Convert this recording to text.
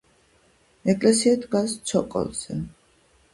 ეკლესია დგას ცოკოლზე.